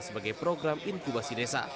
sebagai program inkubasi desa